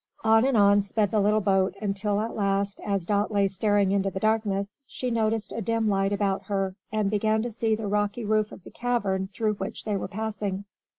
On and on sped the little boat, until at last, as Dot lay staring into the darkness, she noticed a dim light about her, and began to see the rocky roof of the cavern through which they were passing.